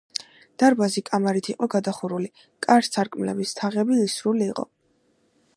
დარბაზი კამარით იყო გადახურული, კარ-სარკმლების თაღები ისრული იყო.